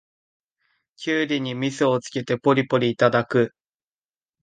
キュウリにみそをつけてポリポリいただく